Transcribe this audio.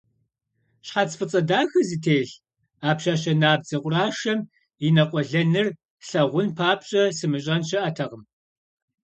Щхьэц фӀыцӀэ дахэ зытелъ а пщащэ набдзэ къурашэм и нэкъуэлэныр слъагъун папщӀэ сымыщӀэн щыӀэтэкъым.